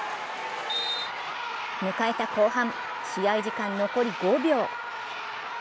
迎えた後半試合時間、残り５秒。